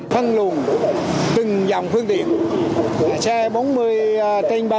phân luồn từng dòng phương tiện